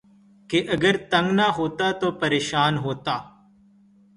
کہ اگر تنگ نہ ہوتا تو پریشاں ہوتا